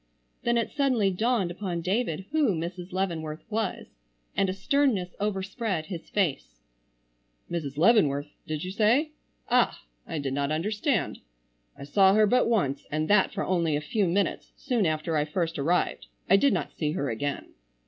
Then it suddenly dawned upon David who Mrs. Leavenworth was, and a sternness overspread his face. "Mrs. Leavenworth, did you say? Ah! I did not understand. I saw her but once and that for only a few minutes soon after I first arrived. I did not see her again."